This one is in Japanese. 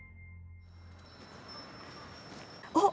あっ。